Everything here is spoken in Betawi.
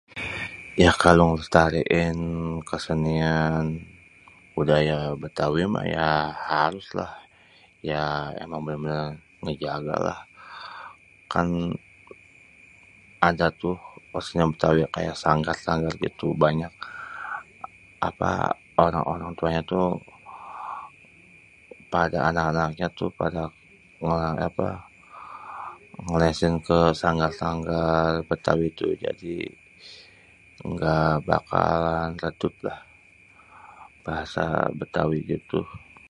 Ya kalau lestariin kesenian budaya bêtawi mah ya.. harus lah, ya emang bênêr-bênêr ngejaga lah, kan ada tuh maksudnya bêtawi yang sanggar-sanggar gitu banyak apa orang-orang tuanya tuh pada anak-anaknya tuh ngelesin ke sanggar-sanggar bêtawi itu jadi engga bakalan redup lah bahasa bêtawi gitu.